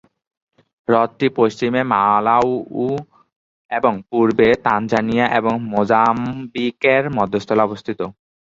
হ্রদটি পশ্চিমে মালাউই এবং পূর্বে তানজানিয়া ও মোজাম্বিকের মধ্যস্থলে অবস্থিত।